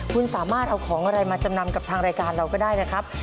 คุณสามารถเอาของอะไรมาจำนำกับทางรายการเราก็ได้นะครับ